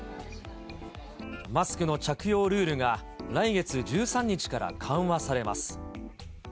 マスクの着用ルールが来月１３日から緩和されます。